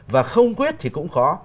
và không quyết thì cũng khó